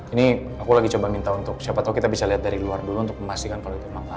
ini aku lagi coba minta untuk siapa tau kita bisa lihat dari luar dulu untuk memastikan kalau itu emang